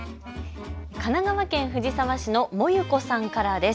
神奈川県藤沢市のもゆこさんからです。